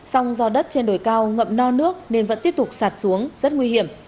sông do đất trên đồi cao ngậm no nước nên vẫn tiếp tục sạt xuống rất nguy hiểm